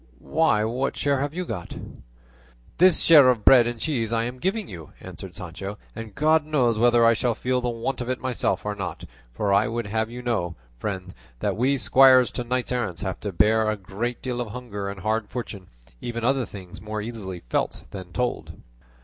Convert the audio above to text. "Why, what share have you got?" "This share of bread and cheese I am giving you," answered Sancho; "and God knows whether I shall feel the want of it myself or not; for I would have you know, friend, that we squires to knights errant have to bear a great deal of hunger and hard fortune, and even other things more easily felt than told."